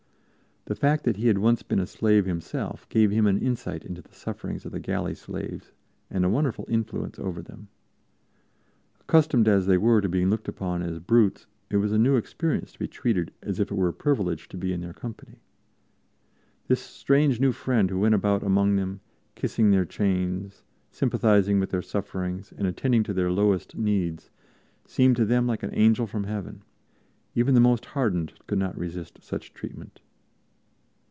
The fact that he had once been a slave himself gave him an insight into the sufferings of the galley slaves and a wonderful influence over them. Accustomed as they were to be looked upon as brutes, it was a new experience to be treated as if it were a privilege to be in their company. This strange new friend who went about among them, kissing their chains, sympathizing with their sufferings and attending to their lowest needs seemed to them like an Angel from Heaven; even the most hardened could not resist such treatment.